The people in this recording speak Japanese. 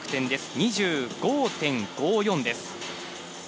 ２５．５４です。